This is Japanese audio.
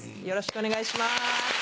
よろしくお願いします。